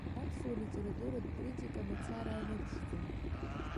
Аԥсуа литературатә критика мацара аныԥшӡом.